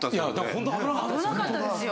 ホント危なかったですよ。